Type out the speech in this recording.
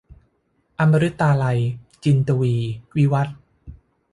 อมฤตาลัย - จินตวีร์ วิวัธน์